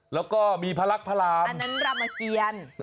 แล้วก็มีพระรักพระรามอันนั้นรามเกียร